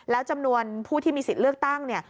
แล้วจำนวนผู้ที่มีสิทธิ์เลือกตั้งเนี่ย